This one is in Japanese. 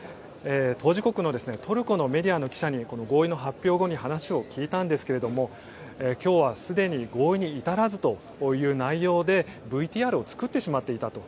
当事国のトルコのメディアの記者に合意の発表後に話を聞いたんですけれど今日はすでに合意に至らずという内容でＶＴＲを作ってしまっていたと。